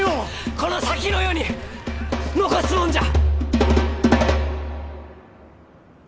この先の世に残すもんじゃ！